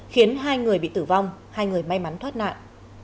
khiến hai người bị tử vong hai người may mắn thoát nạn